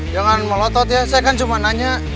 jangan melotot ya saya kan cuma nanya